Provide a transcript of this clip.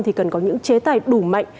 thì cần có những chế tài đủ mạnh